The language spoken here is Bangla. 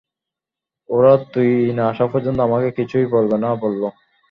ওরা তুই না আসা পর্যন্ত আমাকে কিছুই বলবে না বলল!